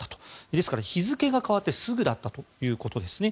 ですから日付が変わってすぐだったということですね。